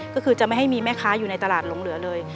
ก็คือจะไม่ให้มีแม่ค้าอยู่ในตลาดหลงเหลือเลย